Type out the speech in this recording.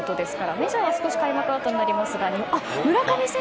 メジャーは少し開幕はあとになりますが。